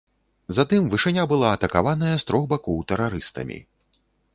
Затым вышыня была атакаваная з трох бакоў тэрарыстамі.